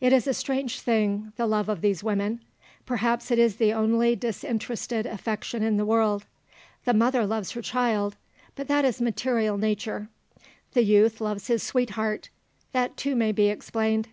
It is a strange thing, the love of these women. Perhaps it is the only disinterested affection in the world. The mother loves her child; that is material nature. The youth loves his sweetheart; that too may be explained.